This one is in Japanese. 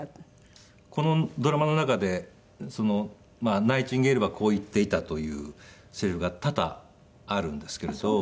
このドラマの中でナイチンゲールはこう言っていたというセリフが多々あるんですけれど。